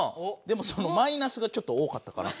でもマイナスがちょっと多かったかな。